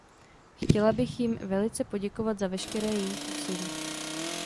Chtěla bych jim velice poděkovat za veškeré jejich úsilí.